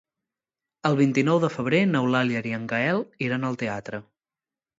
El vint-i-nou de febrer n'Eulàlia i en Gaël iran al teatre.